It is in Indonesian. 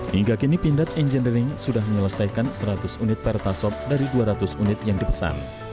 hingga kini pindad engineering sudah menyelesaikan seratus unit pertasop dari dua ratus unit yang dipesan